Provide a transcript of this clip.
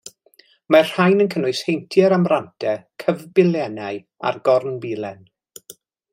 Mae'r rhain yn cynnwys heintiau'r amrantau, cyfbilennau, a'r gornbilen.